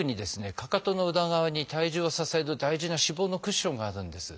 かかとの裏側に体重を支える大事な脂肪のクッションがあるんです。